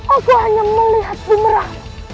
aku hanya melihat bumerang